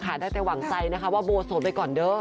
ได้ไปหวังใจนะคะว่าโบสถไปก่อนเด้อ